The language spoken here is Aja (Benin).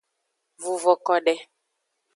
Vuvo kode.